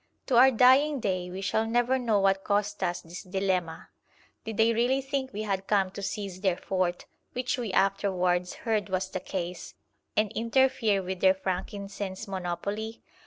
To our dying day we shall never know what caused us this dilemma. Did they really think we had come to seize their fort (which we afterwards heard was the case), and interfere with their frankincense monopoly?